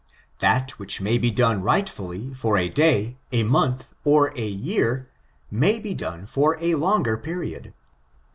That which may be done rightfully for a day, a month, or a year, may be done for a longer period.